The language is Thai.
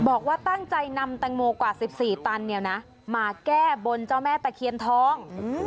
บอกว่าตั้งใจนำแตงโมกว่า๑๔ตันมาแก้บนเจ้าแม่ตะเคียนทอง